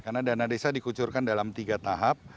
karena dana desa dikucurkan dalam tiga tahap